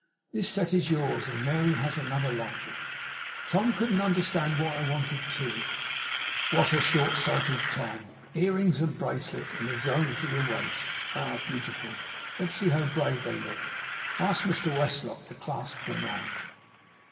This set is yours, and Mary has another like it. Tom couldn't understand why I wanted two. What a short sighted Tom! Earrings and bracelets, and a zone for your waist! Ah! Beautiful! Let us see how brave they look. Ask Mr Westlock to clasp them on.